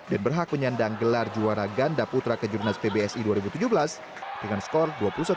dan berhak menyandang gelar juara ganda putra kejuaraan nasional pbsi dua ribu tujuh belas dengan skor dua puluh satu tiga belas dua puluh satu tujuh belas